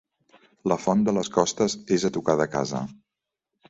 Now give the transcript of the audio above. La font de les Costes és a tocar de casa.